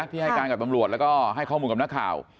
ที่ให้การกับตำรวจแล้วก็ให้ข้อมูลกับนักข่าว